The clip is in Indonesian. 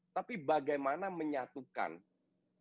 tapi bagaimana menyatukan pemain yang bagus di atas kertas